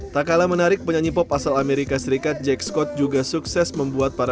tak kalah menarik penyanyi pop asal amerika serikat jack scott juga sukses membuat para